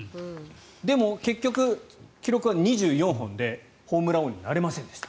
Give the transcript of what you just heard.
でも、結局記録は２４本でホームラン王にはなれませんでした。